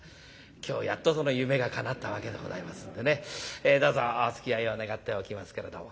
今日やっとその夢がかなったわけでございますんでねどうぞおつきあいを願っておきますけれども。